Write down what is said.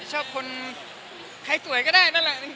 ชอบคนใครสวยก็ได้นั่นแหละ